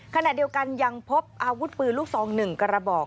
ขณะเดียวกันยังพบอาวุธปืนลูกซอง๑กระบอก